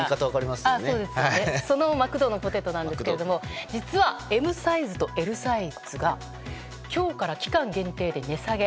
そのマクドのポテトなんですが実はＭサイズとＬサイズが今日から期間限定で値下げ。